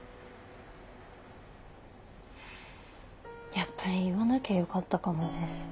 やっぱり言わなきゃよかったかもです。